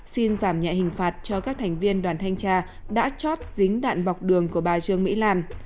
xin giảm nhẹ hình phạt cho các thành viên đoàn thanh tra đã chót dính đạn bọc đường của bà trương mỹ lan